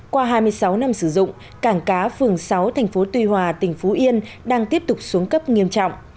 qua hai mươi sáu năm sử dụng cảng cá phường sáu tp tuy hòa tỉnh phú yên đang tiếp tục xuống cấp nghiêm trọng